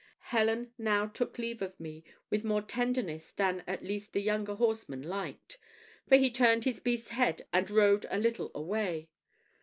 Helen now took leave of me, with more tenderness than at least the younger horseman liked; for he turned his beast's head and rode a little away.